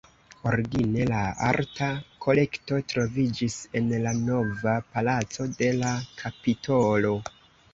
Origine la arta kolekto troviĝis en la "Nova Palaco" de la Kapitolo.